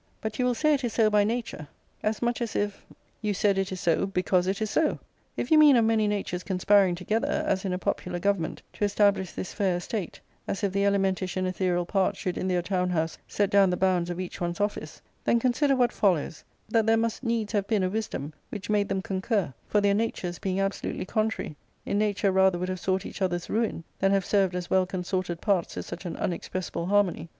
" But you will say it is so by nature ; as much as if you ARCADIA.— Book III, 283 said it is so because it is so. If you mean of maay natures conspiring together, as in a popular government, to establish this fair estate, as if the elementish and ethereal parts should in their town house set down the bounds of each one's office, then^ consider what follows : that there must needs have been a wisdom which made them concur, for their natures, being absolutely contrary, in nature rather would have sought each other's ruin than have served as well consorted parts to such an unexpressible harmony.